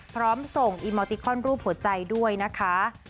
พร้อมส่งอีโมติคอนรูปหัวใจด้วยนะคะ